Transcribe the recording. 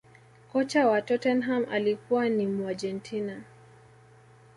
kocha wa tottenham alikuwa ni muargentina